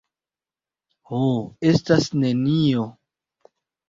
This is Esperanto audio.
Ho, estas nenio.